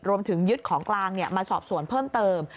รวมถึงยึดของกลางมาสอบสวนเพิ่มเติม